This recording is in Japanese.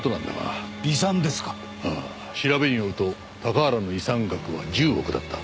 調べによると高原の遺産額は１０億だった。